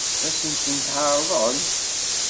Ad sen-ten-ɛeṛḍen?